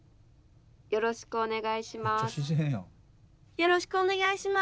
よろしくお願いします。